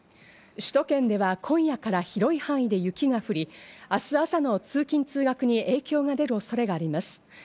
首都圏では今夜から広い範囲で雪が降り、明日朝の通勤通学に影響が出る恐れがあります。